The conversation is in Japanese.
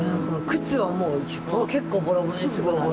靴はもう結構ボロボロにすぐなる。